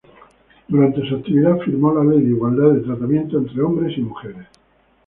Durante su actividad, firmó la ley de igualdad de tratamiento entre hombres y mujeres.